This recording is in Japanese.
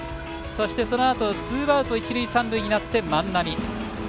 そして、そのあとツーアウト一塁、三塁になって万波。